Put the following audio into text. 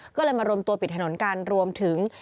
ก็เลยมารวมตัวปิดถนนกันรวมถึง